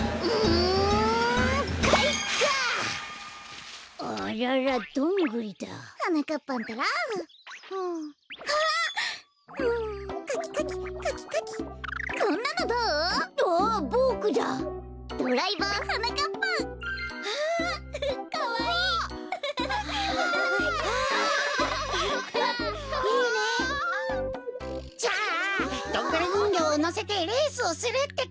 じゃあドングリにんぎょうをのせてレースをするってか！